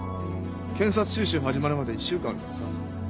検察修習始まるまで１週間あるからさ。